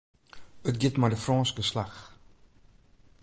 It giet mei de Frânske slach.